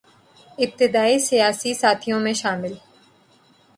ابتدائی سیاسی ساتھیوں میں شامل